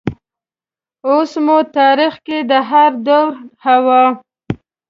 اوس مو تاریخ کې د هردور حوا